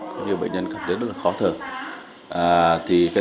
có nhiều bệnh nhân cảm thấy rất là khó thở